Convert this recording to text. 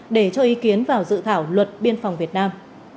để cho ý kiến vào dự thảo luật biên phòng việt nam